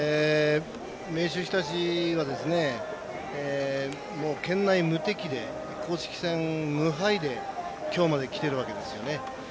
明秀日立は県内無敵で公式戦無敗できょうまできてるわけですよね。